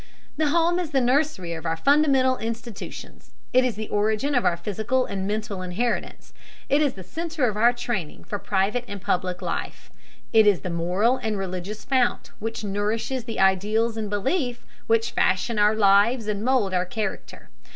The home is the nursery of our fundamental institutions: it is the origin of our physical and mental inheritances; it is the center of our training for private and public life; it is the moral and religious fount which nourishes the ideals and beliefs which fashion our lives and mould our character.